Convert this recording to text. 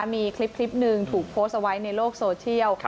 มีคลิปหนึ่งถูกโพสต์เอาไว้ในโลกโซเชียล